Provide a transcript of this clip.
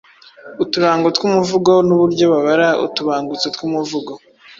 uturango tw’umuvugo n’uburyo babara utubangutso tw’umuvugo